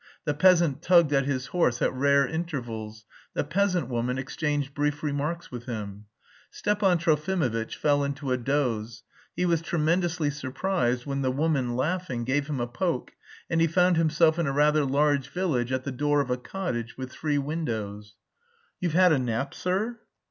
The peasant tugged at his horse at rare intervals; the peasant woman exchanged brief remarks with him. Stepan Trofimovitch fell into a doze. He was tremendously surprised when the woman, laughing, gave him a poke and he found himself in a rather large village at the door of a cottage with three windows. "You've had a nap, sir?"